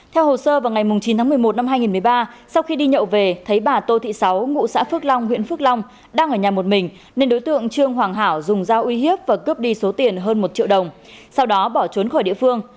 theo hồ sơ vào ngày chín tháng một mươi một năm hai nghìn một mươi ba sau khi đi nhậu về thấy bà tô thị sáu ngụ xã phước long huyện phước long đang ở nhà một mình nên đối tượng trương hoàng hảo dùng dao uy hiếp và cướp đi số tiền hơn một triệu đồng sau đó bỏ trốn khỏi địa phương